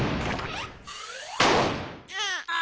ああ！